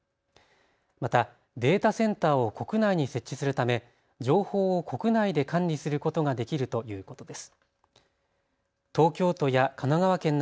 またデータセンターを国内に設置するため情報を国内で管理することができるということです。